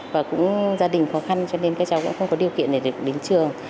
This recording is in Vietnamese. và cũng gia đình khó khăn cho nên các cháu cũng không có điều kiện để được đến trường